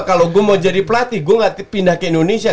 kalau gue mau jadi pelatih gue gak pindah ke indonesia